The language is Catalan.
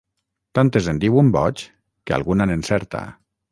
Tantes en diu un boig, que alguna n'encerta.